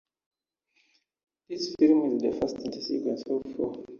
This film is the first in a sequence of four.